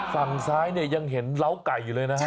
ฝั่งซ้ายเนี่ยยังเห็นเล้าไก่อยู่เลยนะฮะ